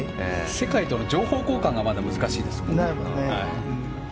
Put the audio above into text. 世界との情報交換がまだ難しいですもんね。